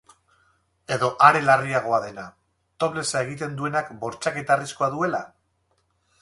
Edo are larriagoa dena, toplessa egiten duenak bortxaketa arriskua duela?